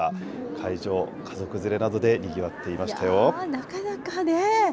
会場、家族連れなどでにぎわっていやぁ、なかなかね。